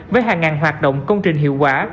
với hàng ngàn hoạt động công trình hiệu quả